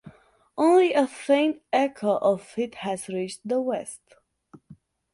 Only a faint echo of it has reached the West.